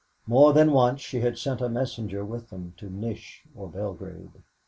More than once she had sent a messenger with them to Nish or Belgrade.